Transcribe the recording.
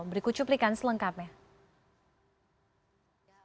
berikut cuplikan selengkapnya